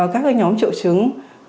các nhóm triệu chứng